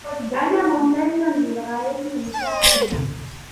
أنا ممتن للغاية لمساعدتك.